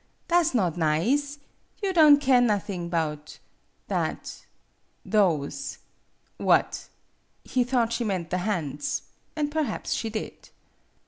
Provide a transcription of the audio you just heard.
Tha' 's not nize. You don' keer nothing 'bout that those ?" "What?" He thought she meant the hands and perhaps she did.